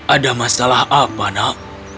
ada masalah apa nak